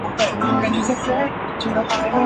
她现在是澳大利亚公民。